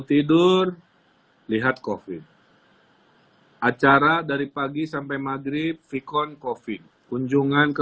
tidur lihat kofi acara dari pagi sampai maghrib vikon kofi kunjungan ke